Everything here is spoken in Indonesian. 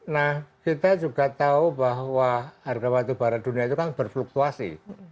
nah kita juga tahu bahwa harga batubara dunia itu kan berfluktuasi